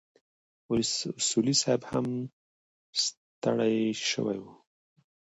اصولي صیب هم ستړی شوی و.